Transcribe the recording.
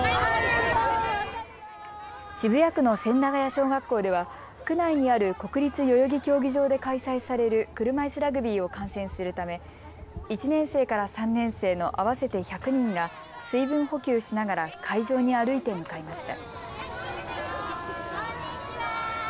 渋谷区の千駄谷小学校では区内にある国立代々木競技場で開催される車いすラグビーを観戦するため１年生から３年生の合わせて１００人が水分補給しながら会場に歩いて向かいました。